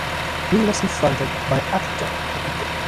He was confronted by Actor at the gate.